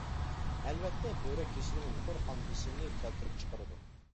ئەلۋەتتە بۆرەك كېسىلىمۇ يۇقىرى قان بېسىمىنى كەلتۈرۈپ چىقىرىدۇ.